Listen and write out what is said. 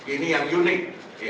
ini yang unik